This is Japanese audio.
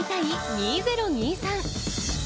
２０２３。